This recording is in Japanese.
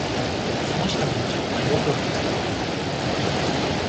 冷ました麦茶をマイボトルに詰める